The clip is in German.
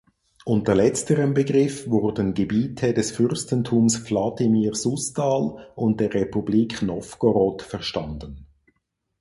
Unter letzterem Begriff wurden Gebiete des Fürstentums Wladimir-Susdal und der Republik Nowgorod verstanden.